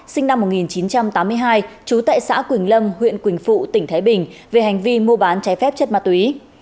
sinh năm một nghìn chín trăm tám mươi hai trú tại xã quỳnh lâm huyện quỳnh phụ tỉnh thái bình về hành vi mua bán trái phép chất ma túy